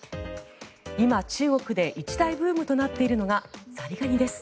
今、中国で一大ブームとなっているのがザリガニです。